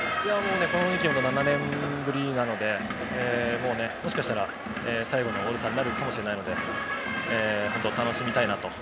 この雰囲気は７年ぶりなのでもしかしたら最後のオールスターになるかもしれないので本当、楽しみたいなと。